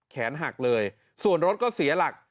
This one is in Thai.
แขนหักเลยส่วนรถก็เสียหลัก